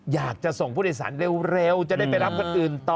อยากจะส่งผู้โดยสารเร็วจะได้ไปรับคนอื่นต่อ